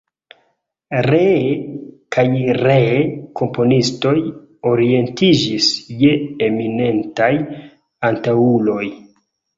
Ree kaj ree komponistoj orientiĝis je eminentaj antaŭuloj.